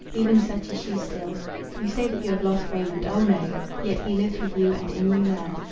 Even such is she still. You say that you have lost Raymond. O, no!—yet he lives with you and in you there.